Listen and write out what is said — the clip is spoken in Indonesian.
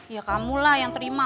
ya kamu lah yang terima